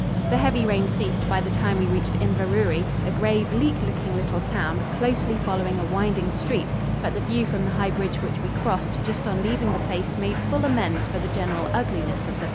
The heavy rain ceased by the time we reached Inverurie, a gray, bleak looking little town, closely following a winding street, but the view from the high bridge which we crossed just on leaving the place made full amends for the general ugliness of the village.